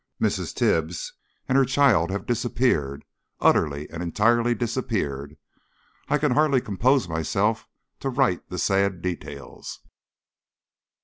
Mrs. Tibbs and her child have disappeared utterly and entirely disappeared. I can hardly compose myself to write the sad details.